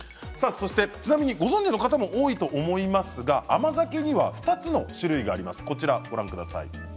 ちなみにご存じの方も多いと思いますが甘酒には２つの種類があります。